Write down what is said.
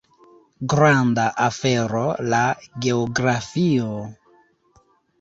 Granda afero la geografio!